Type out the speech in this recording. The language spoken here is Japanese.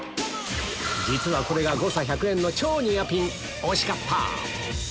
実はこれが誤差１００円の超ニアピン惜しかった！